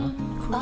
あ！